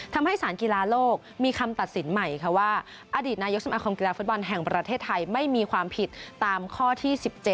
ทำให้สารกีฬาโลกมีคำตัดสินใหม่ว่าอดีตนายกสมาคมกีฬาฟุตบอลแห่งประเทศไทยไม่มีความผิดตามข้อที่๑๗